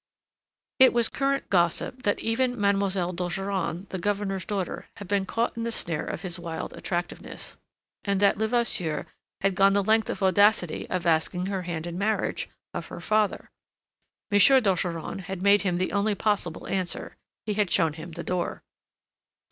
It was current gossip that even Mademoiselle d'Ogeron, the Governor's daughter, had been caught in the snare of his wild attractiveness, and that Levasseur had gone the length of audacity of asking her hand in marriage of her father. M. d'Ogeron had made him the only possible answer. He had shown him the door.